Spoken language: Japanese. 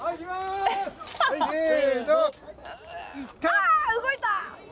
あ動いた。